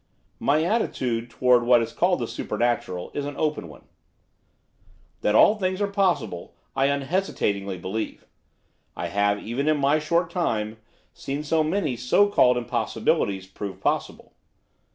My attitude towards what is called the supernatural is an open one. That all things are possible I unhesitatingly believe, I have, even in my short time, seen so many so called impossibilities proved possible.